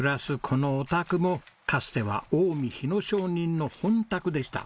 このお宅もかつては近江日野商人の本宅でした。